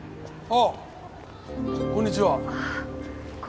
あこんにちは。